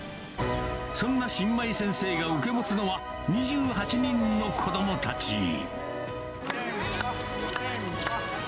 そんな新米先生が受け持つのは、２８人の子どもたち。